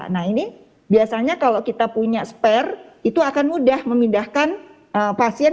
nah ini biasanya kalau kita punya spare itu akan mudah memindahkan pasien